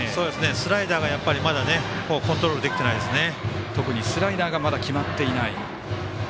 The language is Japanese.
スライダーがまだコントロールできてないですね。